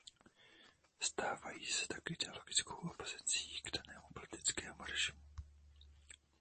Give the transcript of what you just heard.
Stávají se tak ideologickou opozicí k danému politickému režimu.